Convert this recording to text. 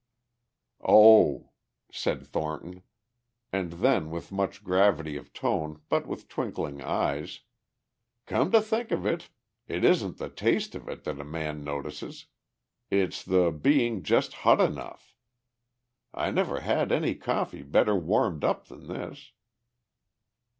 "Oh," said Thornton. And then with much gravity of tone but with twinkling eyes, "Come to think of it it isn't the taste of it that a man notices; it's the being just hot enough. I never had any coffee better warmed up than this."